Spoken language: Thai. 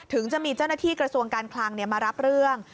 ถึงจะมีเจ้าหน้าที่กระทรวงการคลังมารับเรื่อง